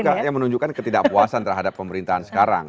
itu juga yang menunjukkan ketidakpuasan terhadap pemerintahan sekarang